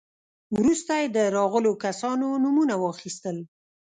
وروسته يې د راغلو کسانو نومونه واخيستل.